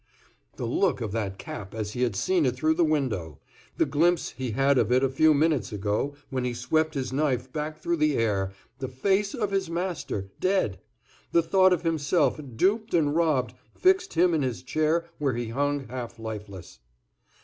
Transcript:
The look of that cap as he had seen it through the window; the glimpse he had of it a few minutes ago, when he swept his knife back through the air; the face of his master—dead; the thought of himself, duped and robbed, fixed him in his chair, where he hung half lifeless.